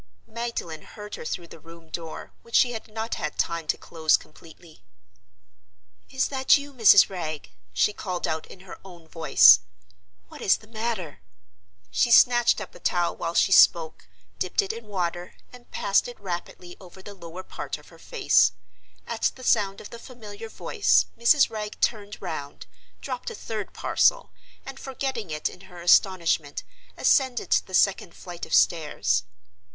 Magdalen heard her through the room door, which she had not had time to close completely. "Is that you, Mrs. Wragge?" she called out in her own voice. "What is the matter?" She snatched up a towel while she spoke, dipped it in water, and passed it rapidly over the lower part of her face. At the sound of the familiar voice Mrs. Wragge turned round—dropped a third parcel—and, forgetting it in her astonishment, ascended the second flight of stairs.